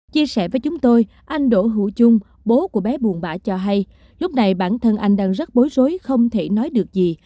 chia sẻ với chúng tôi anh đỗ hữu chung bố của bé buồn bã cho hay lúc này bản thân anh đang rất bối rối không thể nói được gì